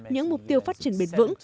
những mục tiêu phát triển bền vững